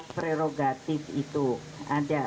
prerogatif itu ada